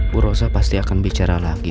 bu rosa pasti akan bicara lagi